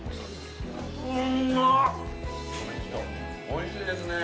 おいしいですね。